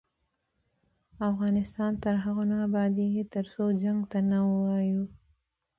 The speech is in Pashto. افغانستان تر هغو نه ابادیږي، ترڅو جنګ ته نه ووایو.